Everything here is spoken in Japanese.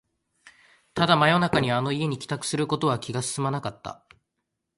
ただ、真夜中にあの家に帰宅することは気が進まなかった